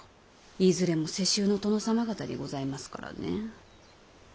いずれも世襲の殿様方にございますからね。